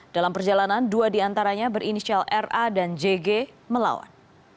dalam perjalanan dua diantaranya berinisial ra dan jg melawan